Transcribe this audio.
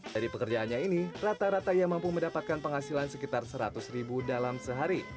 dari pekerjaannya ini rata rata ia mampu mendapatkan penghasilan sekitar seratus ribu dalam sehari